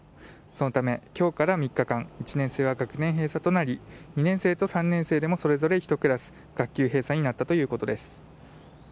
そのため、今日から３日間１年生は学年閉鎖となり２年生と３年生でもそれぞれ１クラス学級閉鎖になったということです。